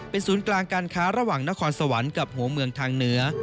เป็นศูนย์กลางการค้าระหว่างนครสวรรค์กับหัวเมืองทางเหนือ